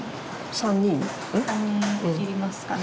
３人要りますかね。